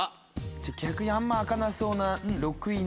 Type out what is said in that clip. じゃあ逆にあんま開かなさそうな。